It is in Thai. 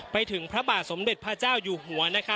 ไปถึงพระบาทสมเด็จพระเจ้าอยู่หัว